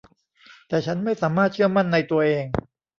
แต่ฉันไม่สามารถเชื่อมั่นในตัวเอง